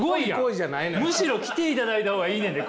むしろ来ていただいた方がいいねんで！